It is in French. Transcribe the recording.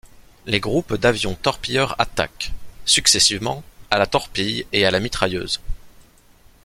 Les groupes d'avions torpilleurs attaquent, successivement, à la torpille et à la mitrailleuse.